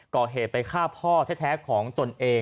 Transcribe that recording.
ก่อเหตุไปฆ่าพ่อแท้ของตนเอง